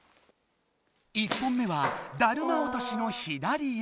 １本目はだるま落としの左へ。